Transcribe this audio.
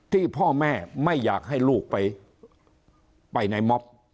ที่พ่อแม่ไม่อยากให้ลูกไปในม็อบ